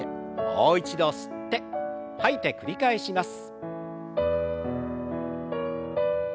もう一度吸って吐いて繰り返します。